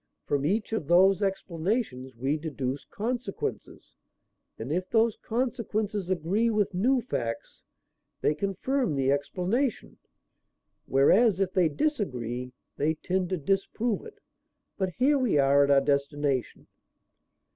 From each of those explanations we deduce consequences; and if those consequences agree with new facts, they confirm the explanation, whereas if they disagree they tend to disprove it. But here we are at our destination."